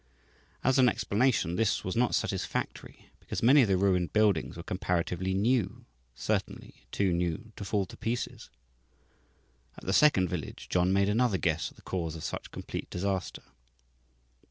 As an explanation this was not satisfactory, because many of the ruined buildings were comparatively new certainly, too new to fall to pieces. At the second village John made another guess at the cause of such complete disaster.